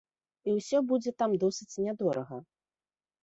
І усё будзе там досыць нядорага.